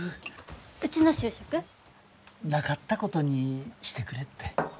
うちの就職？なかったことにしてくれって。